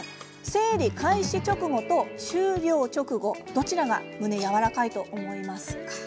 生理開始直後と終了直後どちらがやわらかいと思いますか？